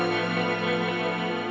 oh jakt melahirkan